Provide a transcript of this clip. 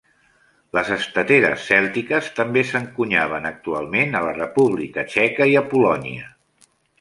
Les estateres cèltiques també s'encunyaven actualment a la República Txeca i a Polònia.